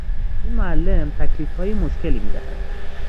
این معلم تکلیفهای مشکلی میدهد.